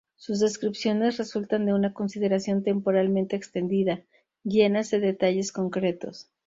Sus descripciones resultan de una consideración temporalmente extendida, llenas de detalles concretos.